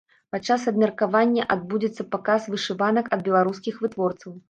Падчас абмеркавання адбудзецца паказ вышыванак ад беларускіх вытворцаў.